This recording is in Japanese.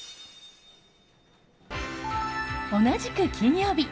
同じく金曜日。